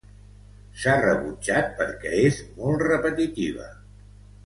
S'ha rebutjat perquè és molt repetitiva.